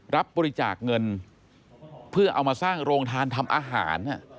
รับบริจาคเงินเพื่อเอามาสร้างโรงทานทำอาหาร